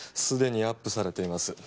すでにアップされています